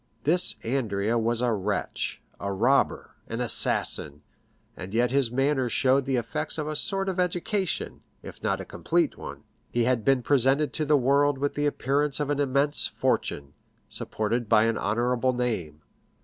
This Andrea was a wretch, a robber, an assassin, and yet his manners showed the effects of a sort of education, if not a complete one; he had been presented to the world with the appearance of an immense fortune, supported by an honorable name.